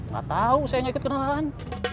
gak tau saya gak ikut kenalan